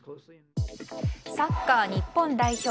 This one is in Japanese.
サッカー日本代表。